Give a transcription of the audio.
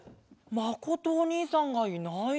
まことおにいさんがいないね。